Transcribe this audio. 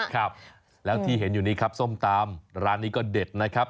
ครับแล้วที่เห็นอยู่นี้ครับส้มตำร้านนี้ก็เด็ดนะครับ